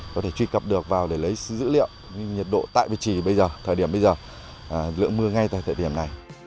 có thể truy cập được vào để lấy dữ liệu nhiệt độ tại việt trì bây giờ thời điểm bây giờ lượng mưa ngay tại thời điểm này